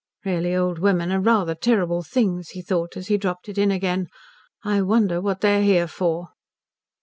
"Really old women are rather terrible things," he thought as he dropped it in again. "I wonder what they're here for."